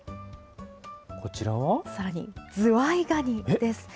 さらにズワイガニです。